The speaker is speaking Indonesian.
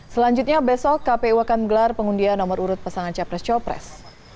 selanjutnya besok kpu akan menggelar pengundian nomor urut pasangan capres capres